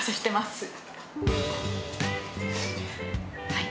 はい。